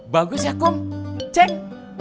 bagus ya kum ceng